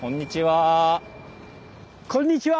こんにちは。